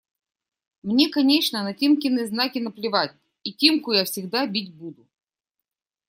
Мне, конечно, на Тимкины знаки наплевать, и Тимку я всегда бить буду…